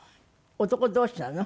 男同士なの？